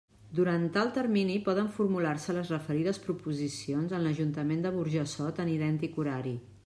Durant tal termini poden formular-se les referides proposicions en l'Ajuntament de Burjassot en idèntic horari.